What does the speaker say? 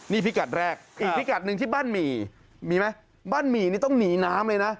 นี่พิกัดแรกอีกพิกัดหนึ่งที่บ้านหมี่มีไหมบ้านหมี่นี่ต้องหนีน้ำเลยนะ